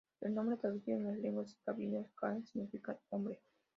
El nombre traducido a las lenguas escandinavas, "Karl", significa ‘hombre’.